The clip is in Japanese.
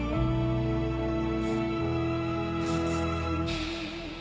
フッ。